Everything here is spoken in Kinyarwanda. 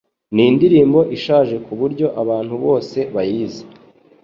Nindirimbo ishaje kuburyo abantu bose bayizi.